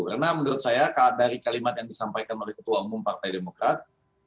karena menurut saya dari kalimat yang disampaikan oleh ketua umum partai demokrat